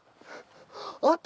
あった。